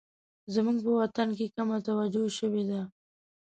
زموږ په وطن کې کمه توجه شوې ده